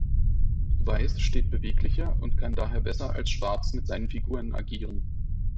Weiß steht beweglicher und kann daher besser als Schwarz mit seinen Figuren agieren.